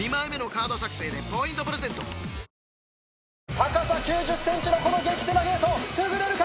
高さ９０ｃｍのこの激狭ゲートくぐれるか？